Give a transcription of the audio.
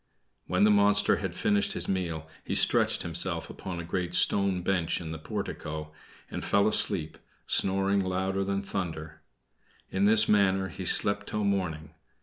When the monster had finished his meal he stretched himself upon a great stone bench in the portico, and fell asleep, snoring louder than thunder. In this manner he slept till morning.